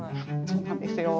そうなんですよ。